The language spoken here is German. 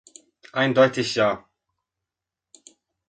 Eindeutig ja.